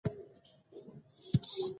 موږ اکثریت لیواله یوو چې په یو نوي شي پوه شو